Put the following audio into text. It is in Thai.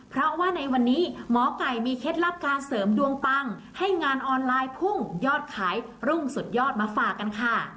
เพราะว่าในวันนี้หมอไก่มีเคล็ดลับการเสริมดวงปังให้งานออนไลน์พุ่งยอดขายรุ่งสุดยอดมาฝากกันค่ะ